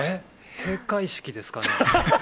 閉会式ですかね。